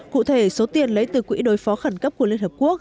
cụ thể số tiền lấy từ quỹ đối phó khẩn cấp của liên hợp quốc